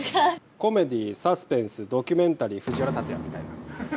コメディー、サスペンス、ドキュメンタリー、藤原竜也みたいな。